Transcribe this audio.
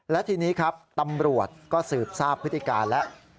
และทีนี้ครับตำรวจก็สืบทราบพฤติการแล้ว